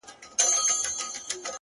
• زه خو د وخت د بـلاگـانـــو اشـنا ـ